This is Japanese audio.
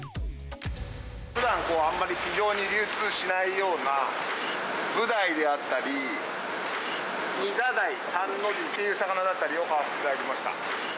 ふだんあまり市場に流通しないような、ブダイであったり、ニザダイ、サンノジという魚だったりを買わせていただきました。